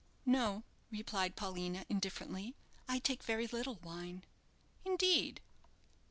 "No," replied Paulina, indifferently; "I take very little wine." "Indeed!"